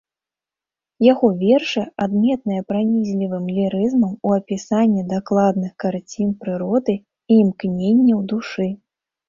Яго вершы адметныя пранізлівым лірызмам у апісанні дакладных карцін прыроды і імкненняў душы.